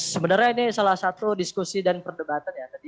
sebenarnya ini salah satu diskusi dan perdebatan ya